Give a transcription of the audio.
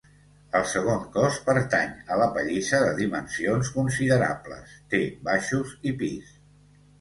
El segon cos pertany a la pallissa de dimensions considerables; té baixos i pis.